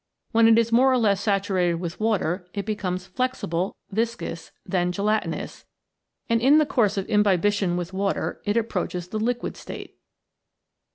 When it is more or less saturated with water, it becomes flexible, viscous, then gelatinous, and in the course of imbibition with water it approaches the liquid state.